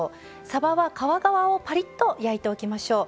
さばは皮側をカリッと焼いておきましょう。